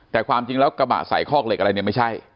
แต่ความจริงแล้วกระบะใส่คอกเหล็กอะไรเนี่ยไม่ใช่